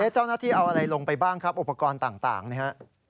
เจ้าหน้าที่เอาอะไรลงไปบ้างครับอุปกรณ์ต่างนะครับ